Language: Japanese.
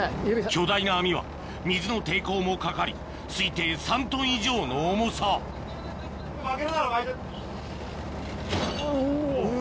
巨大な網は水の抵抗もかかり推定３ｔ以上の重さうお！